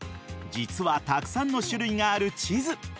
実はたくさんの種類がある地図。